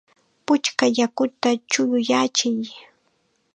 ¡Puchka yakuta chuyayachiy!